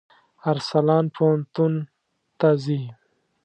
ارسلان پوهنتون ته ځي.